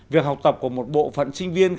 việc học tập của một bộ phận sinh viên